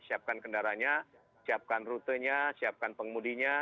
siapkan kendaranya siapkan rutenya siapkan pengmudinya